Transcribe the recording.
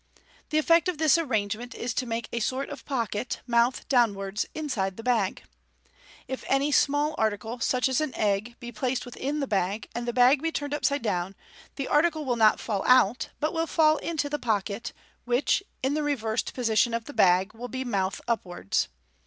The effect of this arrangement is to make a sort of pocket, mouth downwards, inside the bag. If any small article, such as an egg, be placed within the bag, and the bag be turned upside down, the article will not fall out, but will fall into the pocket, which, in the reversed position of the bag, will be mouth up wards.